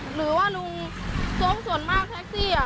หรือว่าลุงโจ๊กส่วนมากแท็กซี่